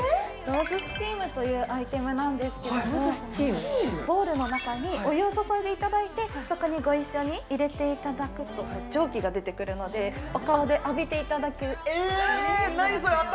ローズスチームというアイテムなんですけどもボウルの中にお湯を注いでいただいてそこにご一緒に入れていただくと蒸気が出てくるのでお顔で浴びていただけるえっ